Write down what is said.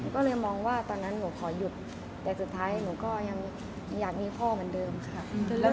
ก็เลยมองว่าตอนนั้นหนูขอหยุดแต่สุดท้ายหนูก็ยังอยากมีพ่อเหมือนเดิมค่ะ